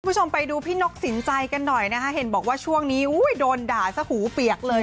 คุณผู้ชมไปดูพี่นกสินใจกันหน่อยนะคะเห็นบอกว่าช่วงนี้อุ้ยโดนด่าซะหูเปียกเลย